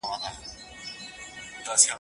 زه د ذمي د حق د ادا کولو مستحق یم.